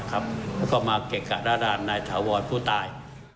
แล้วก็มาเก็บกับราดารณ์นายทาวรภูตาย